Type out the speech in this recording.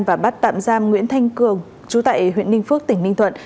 và bắt tạm giam nguyễn thanh cường chú tại huyện ninh phước tỉnh ninh thuận